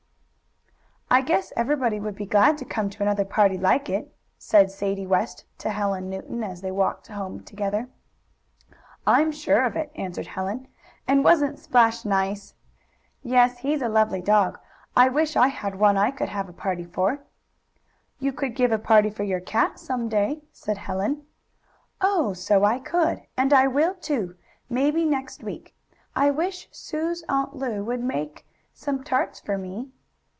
"I guess everybody would be glad to come to another party like it," said Sadie West to Helen Newton, as they walked home together. "I'm sure of it," answered Helen. "And wasn't Splash nice!" "Yes, he's a lovely dog. I wish I had one I could have a party for." "You could give a party for your cat, some day," said Helen. "Oh, so I could! And I will, too maybe next week. I wish Sue's Aunt Lu would bake some tarts for me."